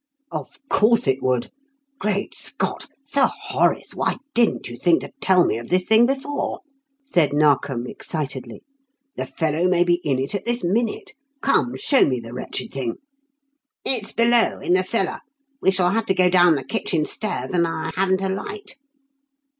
"Of course it would. Great Scott! Sir Horace, why didn't you think to tell me of this thing before?" said Narkom, excitedly. "The fellow may be in it at this minute. Come, show me the wretched thing." "It's below in the cellar. We shall have to go down the kitchen stairs, and I haven't a light."